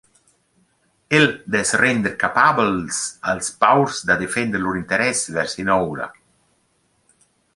El dess render capabels als paurs da defender lur interess vers inoura.